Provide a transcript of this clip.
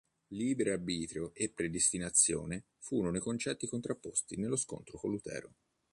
Libero arbitrio e predestinazione furono i concetti contrapposti nello scontro con Lutero.